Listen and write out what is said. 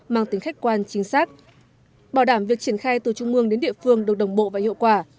mang tính khách quan chính xác bảo đảm việc triển khai từ trung mương đến địa phương được đồng bộ và hiệu quả